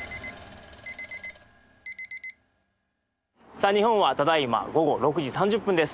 さあ日本はただいま午後６時３０分です。